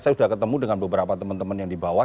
saya sudah ketemu dengan beberapa teman teman yang di bawah